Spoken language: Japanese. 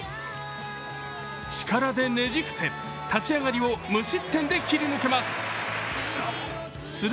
力でねじ伏せ、立ち上がりを無失点で切り抜けます。